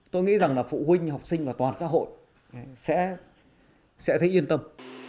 tôi nghĩ rằng là phụ huynh học sinh và toàn xã hội sẽ thấy yên tâm